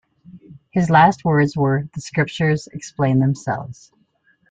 His last words were The Scriptures explain themselves.